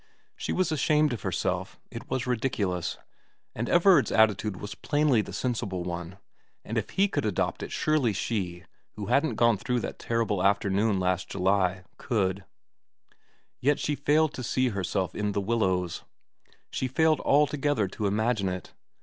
She was ashamed of herself, it was ridiculous, and Everard's attitude was plainly the sensible one, and if he could adopt it surely she, who hadn't gone through that terrible afternoon last July, could ; yet she failed to see herself in The Willows, she failed altogether to imagine it.